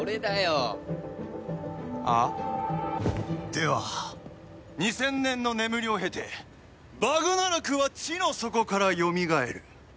では「２０００年の眠りを経てバグナラクは地の底からよみがえる」。